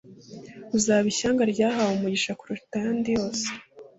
Uzaba ishyanga ryahawe umugisha kuruta ayandi yose.